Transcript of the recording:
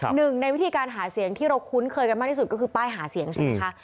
หนึ่งในวิธีการหาเสียงที่เราคุ้นเคยกันมากที่สุดก็คือป้ายหาเสียงใช่ไหมคะ